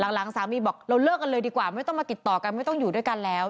หลังสามีบอกเราเลิกกันเลยดีกว่าไม่ต้องมาติดต่อกันไม่ต้องอยู่ด้วยกันแล้ว